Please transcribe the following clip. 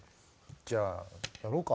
じゃあやろうか。